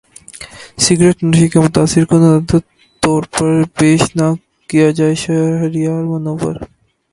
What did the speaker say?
cigarette نوشی کو متاثر کن عادت کے طور پر پیش نہ کیا جائے شہریار منور